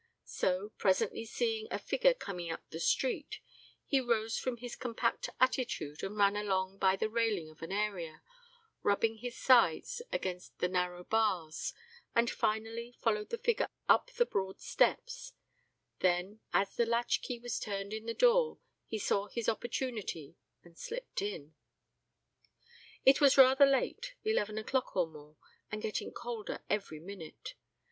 So, presently seeing a figure coming up the street, he rose from his compact attitude and ran along by the railing of an area, rubbing his sides against the narrow bars, and finally followed the figure up the broad steps; then, as the latch key was turned in the door, he saw his opportunity, and slipped in. It was rather late; eleven o'clock or more, and getting colder every minute.